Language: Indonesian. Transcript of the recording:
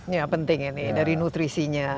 ya penting ya nih dari nutrisinya